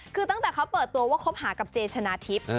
คือตอนตะเขาเปิดตัวว่าคบหากับเจชนาทิศ